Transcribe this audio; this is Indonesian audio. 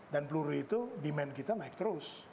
dan peluru itu demand kita naik terus